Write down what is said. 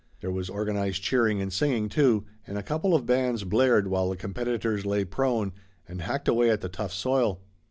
There was organized cheering and singing, too, and a couple of bands blared while the competitors lay prone and hacked away at the tough soil.